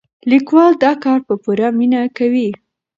لیکوال دا کار په پوره مینه کوي.